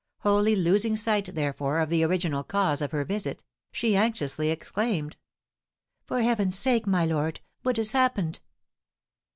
Wholly losing sight, therefore, of the original cause of her visit, she anxiously exclaimed: "For heaven's sake, my lord, what has happened?"